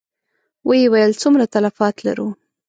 ويې ويل: څومره تلفات لرو؟